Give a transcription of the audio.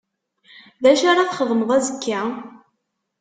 D acu ara txedmeḍ azekka?